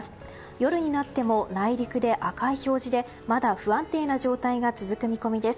夜になっても内陸で赤い表示でまだ不安定な状態が続く見込みです。